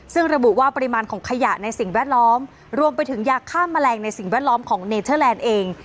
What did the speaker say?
ซึ่งระบุว่าปริมาณของขยะในสิ่งแวดล้อมรวมไปถึงยาฆ่าแมลงในสิ่งแวดล้อมของเนเทอร์แลนด์เอง